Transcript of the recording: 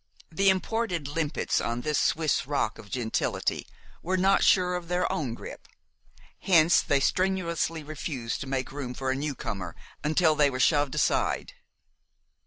The imported limpets on this Swiss rock of gentility were not sure of their own grip. Hence, they strenuously refused to make room for a newcomer until they were shoved aside.